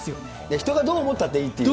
人がどう思ったっていいっていうね。